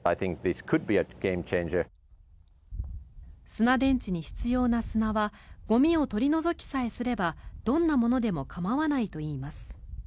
砂電池に必要な砂はゴミを取り除きさえすればどんなものでも構わないといいます。